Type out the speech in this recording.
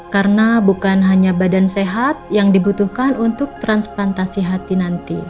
karena bukan hanya badan sehat yang dibutuhkan untuk transplantasi hati nanti